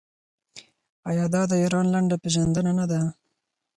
آیا دا د ایران لنډه پیژندنه نه ده؟